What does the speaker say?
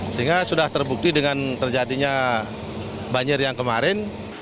sehingga sudah terbukti dengan terjadinya banjir yang kemarin